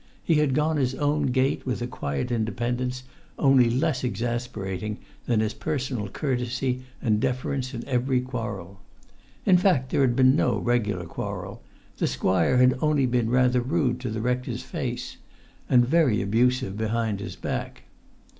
He had gone his own gait with a quiet independence only less exasperating than his personal courtesy and deference in every quarrel. In fact there had been no regular quarrel: the squire had only been rather rude to the rector's face, and very abusive behind his back.